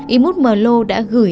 imut merlo đã gửi